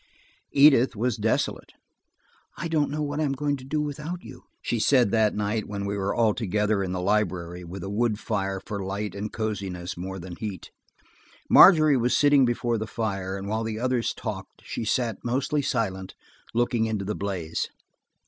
Edith was desolate. "I don't know what I am going to do without you," she said that night when we were all together in the library, with a wood fire, for light and coziness more than heat. Margery was sitting before the fire, and while the others talked she sat mostly silent, looking into the blaze.